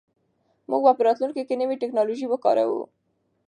موږ به په راتلونکي کې نوې ټیکنالوژي وکاروو.